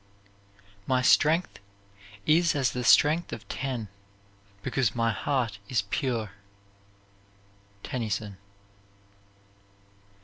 My strength is as the strength of ten Because my heart is pure. TENNYSON.